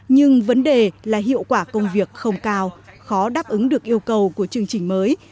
nhưng vấn đề là hiệu quả công việc không cao khó đáp ứng được yêu cầu của chương trình mới